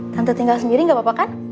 tante tinggal sendiri gak apa apa kan